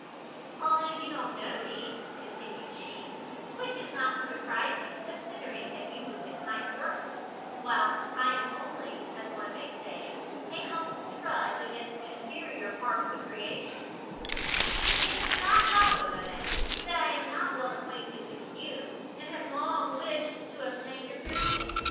"Although you don't know me," continued she, "which is not surprising, considering that you move in high circles, whilst I am only, as one may say, a humble drudge among the inferior parts of creation, it does not follow, madam, that I am not well acquainted with you, and have long wished to obtain your friendship.